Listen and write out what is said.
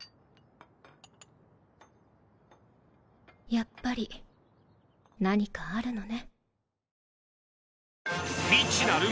やっぱり何かあるのね。